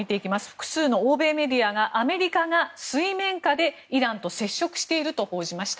複数の欧米メディアがアメリカが水面下でイランと接触していると報じました。